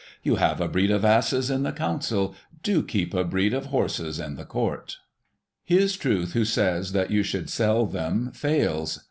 You have a breed of asses in the Council, Do keep a breed of horses in the Court. IV. His truth who says that you should sell them, fails.